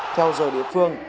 theo giờ địa phương